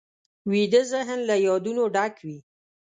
ویده ذهن له یادونو ډک وي